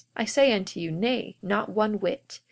I say unto you, Nay; not one whit.